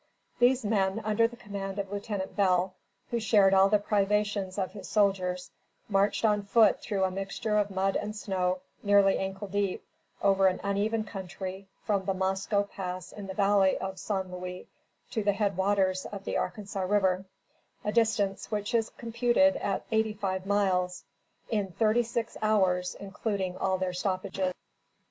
These men, under the command of Lieutenant Beall, who shared all the privations of his soldiers, marched on foot through a mixture of mud and snow, nearly ankle deep, over an uneven country, from the Mosco Pass in the Valley of San Luis, to the head waters of the Arkansas River, a distance which is computed at eighty five miles, in thirty six hours, including all their stoppages.